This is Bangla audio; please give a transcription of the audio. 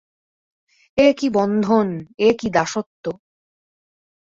এ কী বন্ধন, এ কী দাসত্ব?